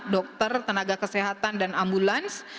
dokter tenaga kesehatan dan ambulans